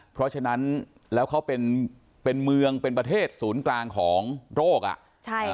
เพราะฉะนั้นแล้วเขาเป็นเมืองเป็นประเทศศูนย์กลางของโรคอะ